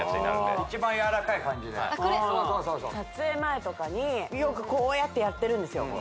一番やわらかい感じで撮影前とかによくこうやってやってるんですよ